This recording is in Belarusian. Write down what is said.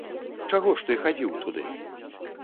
Чаго ж ты хадзіў туды?